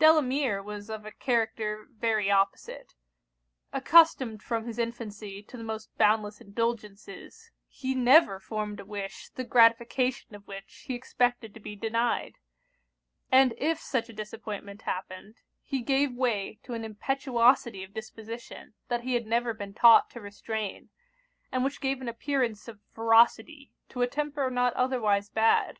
Delamere was of a character very opposite. Accustomed from his infancy to the most boundless indulgences, he never formed a wish, the gratification of which he expected to be denied: and if such a disappointment happened, he gave way to an impetuosity of disposition that he had never been taught to restrain, and which gave an appearance of ferocity to a temper not otherwise bad.